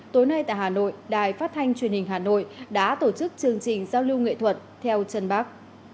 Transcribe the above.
tối nay tại hà nội đài phát thanh truyền hình hà nội đã tổ chức chương trình giao lưu nghệ thuật theo chân bác